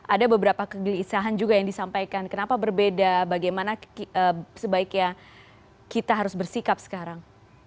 ada beberapa kegelisahan juga yang disampaikan kenapa berbeda bagaimana sebaiknya kita harus bersikap sekarang